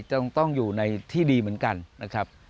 จะต้องอยู่ในที่ดีเหมือนกันนะครับ